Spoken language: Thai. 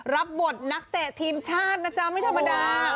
รับบทนักเตะทีมชาตินะจ๊ะไม่ธรรมดา